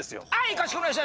かしこまりました！